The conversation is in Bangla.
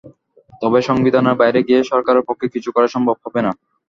তবে সংবিধানের বাইরে গিয়ে সরকারের পক্ষে কিছু করা সম্ভব হবে না।